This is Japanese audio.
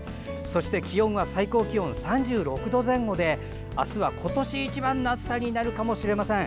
そして気温は最高気温、３６度前後で明日は今年一番の暑さになるかもしれません。